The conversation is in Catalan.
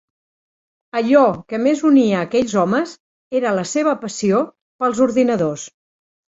Allò que més unia aquells homes era la seva passió pels ordinadors.